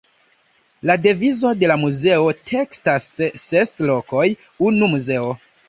La devizo de la muzeo tekstas: „Ses lokoj, unu muzeo“.